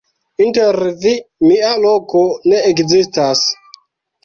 Inter vi mia loko ne ekzistas.